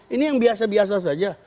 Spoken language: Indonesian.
ini yang biasa biasa saja